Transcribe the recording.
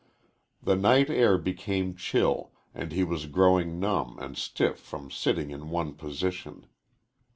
The night air became chill and he was growing numb and stiff from sitting in one position.